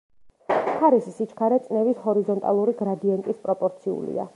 ქარის სიჩქარე წნევის ჰორიზონტალური გრადიენტის პროპორციულია.